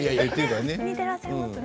似てらっしゃいますね。